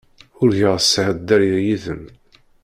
Urgaɣ sɛiɣ dderya yid-m.